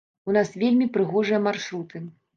У нас вельмі прыгожыя маршруты.